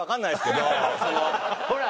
ほら！